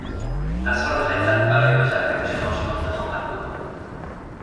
اسرار خلقت برای بشر همیشه ناشناخته خواهد بود.